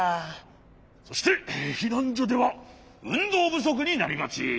そしてひなんじょではうんどうぶそくになりがち。